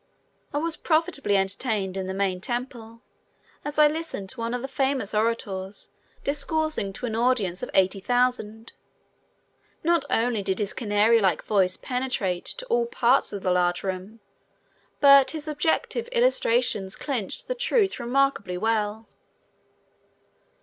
I was profitably entertained in the main temple as I listened to one of the famous orators discoursing to an audience of eighty thousand. Not only did his canary like voice penetrate to all parts of the large room, but his objective illustrations clinched the truth remarkably well.